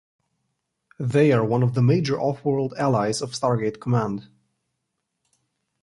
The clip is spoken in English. They are one of the major offworld allies of Stargate Command.